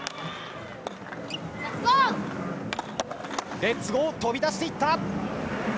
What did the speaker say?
レッツゴー飛び出していった！